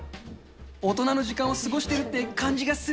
大人の時間を過ごしてるって感じがする。